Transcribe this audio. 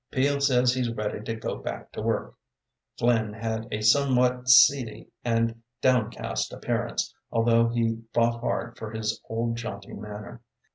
Peel says he's ready to go back to work." Flynn had a somewhat seedy and downcast appearance, although he fought hard for his old jaunty manner.